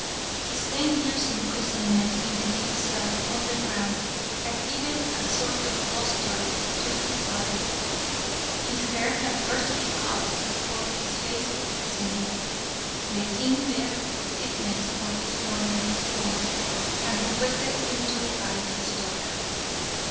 His ten years' imprisonment in the deep cell underground had given a sort of lustre to his body. His hair had first to be cut before his face could be seen. The king begged forgiveness for his former fault, and requested him to revive his daughter.